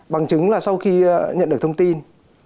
bằng chứng là sau khi nhận được thông tin